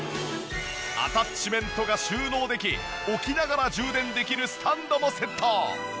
アタッチメントが収納でき置きながら充電できるスタンドもセット。